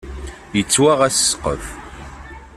Yettwaɣ-as ssqef.